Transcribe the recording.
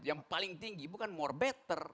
yang paling tinggi bukan more better